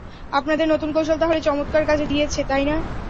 আপনাদের নতুন কৌশল তাহলে চমৎকার কাজে দিয়েছে, তাই না?